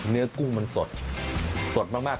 เนื้อกุ้งมันสดสดมาก